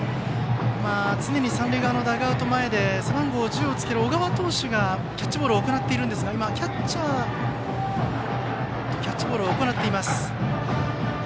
常に三塁側のダグアウト前で背番号１０をつける小川投手がキャッチボールを行っていますが今、キャッチャーとキャッチボールを行っています。